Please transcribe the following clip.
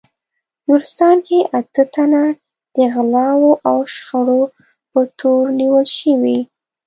نورستان کې اته تنه د غلاوو او شخړو په تور نیول شوي